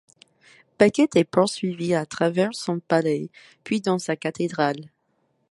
Becket est poursuivi à travers son palais, puis dans sa cathédrale.